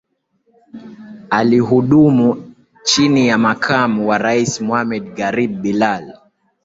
Alihudumu chini ya Makamu wa Rais Mohamed Gharib Bilal